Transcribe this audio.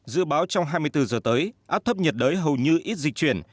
dự báo trong hai mươi bốn giờ tới áp thấp nhiệt đới hầu như ít dịch chuyển